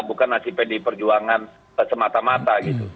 bukan nasib pdi perjuangan semata mata gitu